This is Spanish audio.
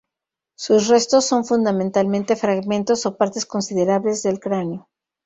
Sus restos son fundamentalmente fragmentos o partes considerables del cráneo.